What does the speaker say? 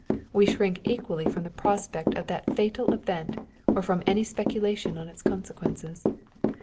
We shrink equally from the prospect of that fatal event or from any speculation on its consequences.